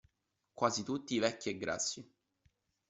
Quasi tutti vecchi e grassi.